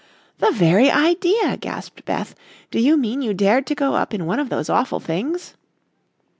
"The very idea," gasped Beth. "Do you mean you dared to go up in one of those awful things?"